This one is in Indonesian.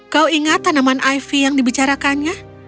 kau ingat tanaman iv yang dibicarakannya